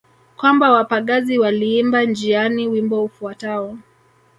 Kwamba wapagazi waliimba njiani wimbo ufuatao